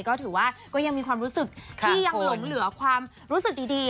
ก็ถือว่าก็ยังมีความรู้สึกที่ยังหลงเหลือความรู้สึกดี